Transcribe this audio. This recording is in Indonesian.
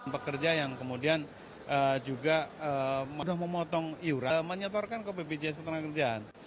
pekerja yang kemudian juga sudah memotong iuran menyetorkan ke bpjs ketenagakerjaan